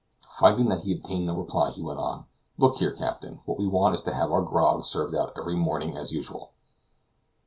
Finding that he obtained no reply, he went on: "Look here, captain, what we want is to have our grog served out every morning as usual."